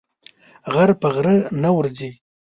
غر په غره نه ورځي.